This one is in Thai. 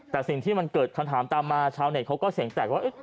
แต่สิ่งที่มันเกิดคำถามตามมาชาวเน็ตเขาก็เสียงแตกว่า